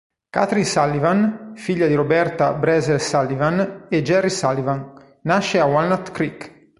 Kathryn Sullivan, figlia di Roberta Bresler-Sullivan e Jerry Sullivan, nasce a Walnut Creek.